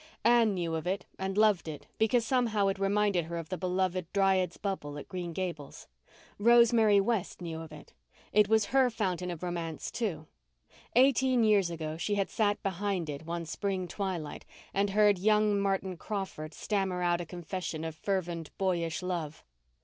Anne knew of it and loved it because it somehow reminded her of the beloved Dryad's Bubble at Green Gables. Rosemary West knew of it; it was her fountain of romance, too. Eighteen years ago she had sat behind it one spring twilight and heard young Martin Crawford stammer out a confession of fervent, boyish love.